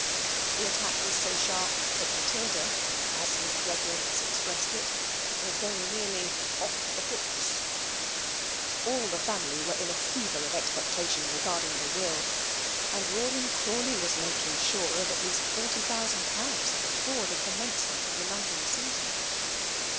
The attack was so sharp that Matilda as his Reverence expressed it was very nearly "off the hooks"; all the family were in a fever of expectation regarding the will, and Rawdon Crawley was making sure of at least forty thousand pounds before the commencement of the London season.